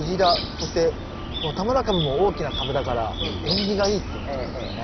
そしてこの田村かぶも大きなカブだから縁起がいいっていうことなんですね。